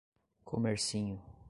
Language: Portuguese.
Comercinho